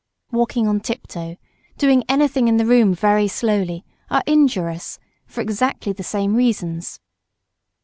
Walking on tip toe, doing any thing in the room very slowly, are injurious, for exactly the same reasons.